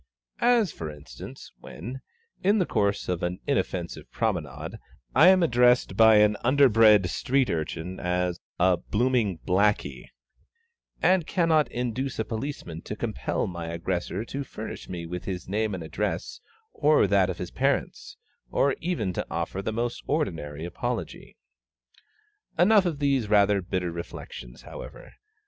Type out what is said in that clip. '"] As, for instance, when, in the course of an inoffensive promenade, I am addressed by an underbred street urchin as a "blooming blacky," and cannot induce a policeman to compel my aggressor to furnish me with his name and address or that of his parents, or even to offer the most ordinary apology. Enough of these rather bitter reflections, however.